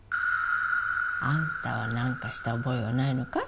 あんたは何かした覚えはないのかい？